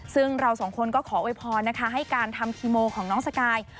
ซึ่งเราสองคนก็ขอโวยพรนะคะให้การทำคีโมของน้องสกาย